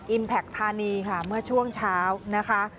แพคธานีค่ะเมื่อช่วงเช้านะคะ